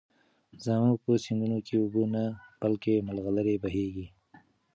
زموږ په سيندونو کې اوبه نه، بلكې ملغلرې بهېږي.